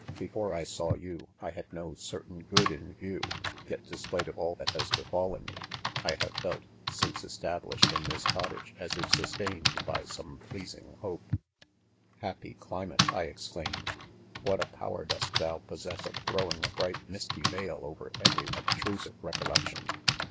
Before Isawyou, I had no cer tain good in. view, yet despite of all that kit; ■befallen me 5 I have felt, since established in this cottage, as if sustained by some pleaame hope* .. Happy climate, I exclaimed, what a power dost thou possess of thro win k? a bright "mi, jU" THE CONFESSIONS. 45 veil over every obtrusive recollection!